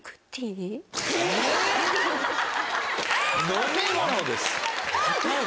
飲み物です。